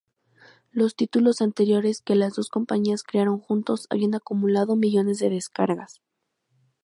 Los títulos anteriores que las dos compañías crearon juntos habían acumulado millones de descargas.